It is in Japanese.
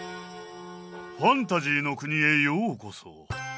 ファンタジーの国へようこそ！